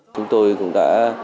chúng tôi cũng đã